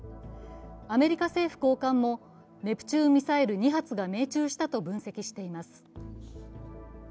アメリカ政府高官もネプチューンミサイル２発が命中したと分析しています。